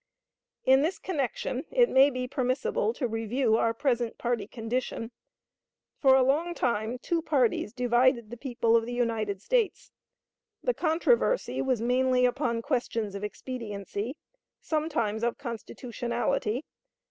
In this connection, it may be permissible to review our present party condition. For a long time two parties divided the people of the United States. The controversy was mainly upon questions of expediency; sometimes of constitutionality.